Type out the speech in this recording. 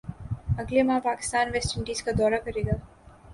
اگلے ماہ Pakistan West Indies کا دورہ کرے گا